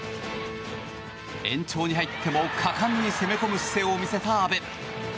延長に入っても果敢に攻め込む姿勢を見せた阿部。